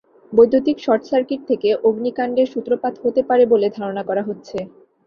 বৈদ্যুতিক শর্টসার্কিট থেকে অগ্নিকাণ্ডের সূত্রপাত হতে পারে বলে ধারণা করা হচ্ছে।